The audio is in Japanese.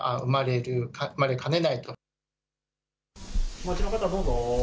お待ちの方どうぞ。